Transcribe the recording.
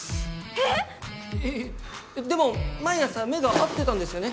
えっえっでも毎朝目が合ってたんですよね？